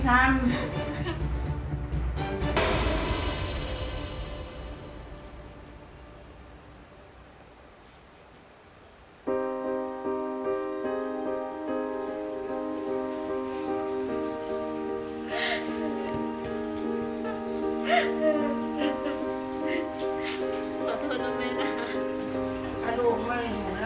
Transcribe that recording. ถ้าลูกไม่เห็นหนูแล้วลูกแม่จะดูยังไง